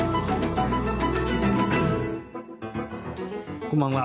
こんばんは。